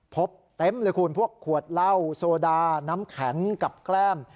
พบเต็มเลยคุณพวกขวดเหล้าโซดาน้ำแข็งกับแกล้ม